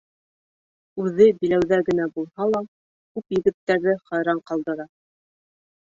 Үҙе биләүҙә генә булһа ла, күп егеттәрҙе хайран ҡалдыра!..